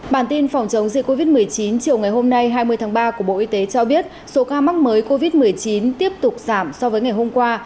bản tin phòng chống dịch covid một mươi chín chiều ngày hôm nay hai mươi tháng ba của bộ y tế cho biết số ca mắc mới covid một mươi chín tiếp tục giảm so với ngày hôm qua